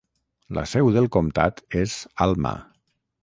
La seu del comtat és Alma.